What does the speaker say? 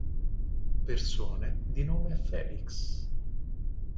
Persone di nome Felix